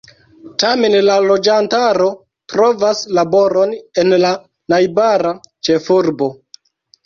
Tamen la loĝantaro trovas laboron en la najbara ĉefurbo.